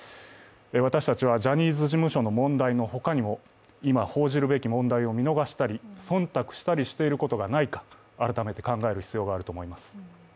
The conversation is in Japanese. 私たちはジャニーズ事務所の問題の他にも今報じるべき問題を見逃したり、忖度していたりすることがないか、改めて考える必要があると思います。